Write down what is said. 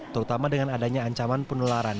terutama dengan adanya ancaman penularan